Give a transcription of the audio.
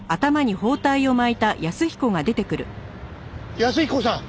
安彦さん！